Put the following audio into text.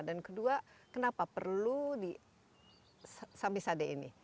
dan kedua kenapa perlu di sambe sade ini